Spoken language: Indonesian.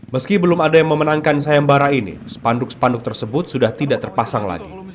meski belum ada yang memenangkan sayem bara ini sepanduk sepanduk tersebut sudah tidak terpasang lagi